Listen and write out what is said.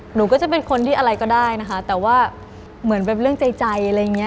หนูก็จะเป็นคนที่อะไรก็ได้นะคะแต่ว่าเหมือนเป็นเรื่องใจอะไรอย่างเงี้